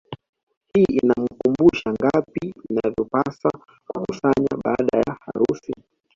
Hii inamkumbusha ngapi anavyopaswa kukusanya baada ya harusi